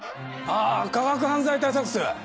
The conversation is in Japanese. あぁ科学犯罪対策室。